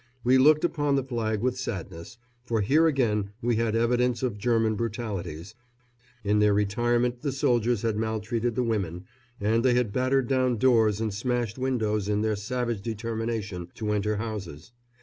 We looked upon the flag with sadness, for here again we had evidence of German brutalities in their retirement the soldiers had maltreated the women, and they had battered down doors and smashed windows in their savage determination to enter houses.